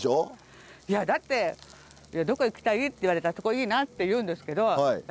だって「どこ行きたい？」って言われたら「あそこいいな」って言うんですけど「え？